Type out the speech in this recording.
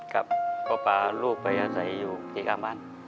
ครับพ่อป่าลูกไปอาศัยอยู่ที่ข้างบ้าน